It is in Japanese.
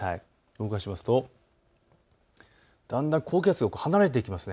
動かしますとだんだん高気圧が離れていきます。